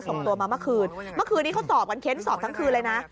ส่งตัวมาเมื่อคืนเมื่อคืนนี้เขาสอบกันเค้นสอบทั้งคืนเลยนะ